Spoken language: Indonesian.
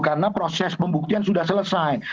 karena proses pembuktian sudah selesai